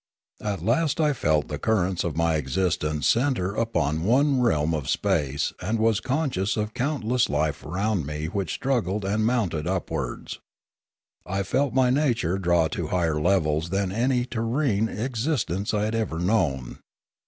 At last I felt the currents of my existence centre upon one realm of space and was conscious of countless life around me which struggled and mounted upwards. I felt my nature drawn to higher levels than any terrene exist ence I had ever known.